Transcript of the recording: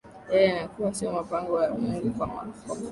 ee na kuwa sio mpango wa mungu kwa mfano